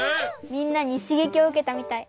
みんなにしげきをうけたみたい。